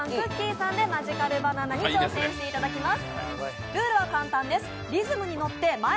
さんでマジカルバナナに挑戦していただきます。